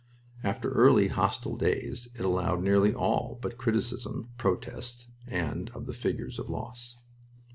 After early, hostile days it allowed nearly all but criticism, protest, and of the figures of loss.